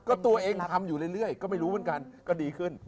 ก็ตัวเองทำอยู่เรื่อยก็ไม่รู้เหมือนกันก็ดีขึ้น